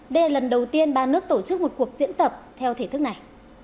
đây là lần đầu tiên ba nước tổ chức một cuộc diễn tập theo thể thức này